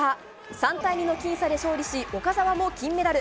３対２の僅差で勝利し岡澤も金メダル。